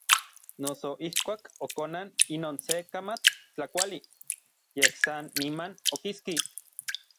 Noso ijkuak okonan inon se kamatl tlakuali, yej san niman okiski.